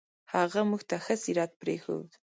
هغه موږ ته ښه سیرت پرېښود.